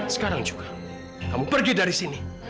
sekarang juga kamu pergi dari sini